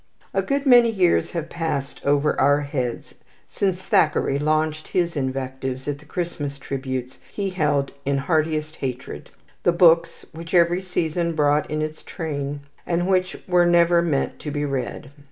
A good many years have passed over our heads since Thackeray launched his invectives at the Christmas tributes he held in heartiest hatred, the books which every season brought in its train, and which were never meant to be read.